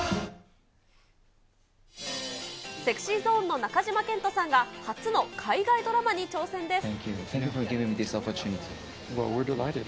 ＳｅｘｙＺｏｎｅの中島健人さんが、初の海外ドラマに挑戦です。